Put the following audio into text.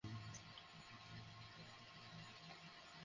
গৃহশিক্ষক বের হওয়ার পরপরই তাঁরা দরজা খোলা পেয়ে বাসায় ঢুকে পড়েন।